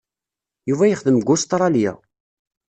Yuba yexdem deg Ustṛalya.